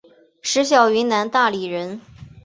石晓云南大理人。